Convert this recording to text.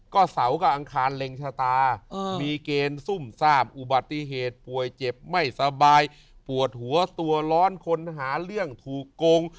ก็เสาร์กับอังคารเล็งชะตามีเกณฑ์ซุ่มซ่ามอุบัติเหตุป่วยเจ็บไม่สบายปวดหัวตัวร้อนคนหาเรื่องถูกโกง